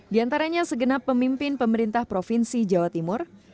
diantaranya segenap pemimpin pemerintah provinsi jawa timur